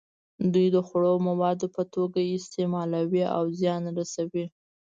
دوی د خوړو موادو په توګه یې استعمالوي او زیان رسوي.